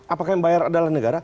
apakah yang bayar adalah negara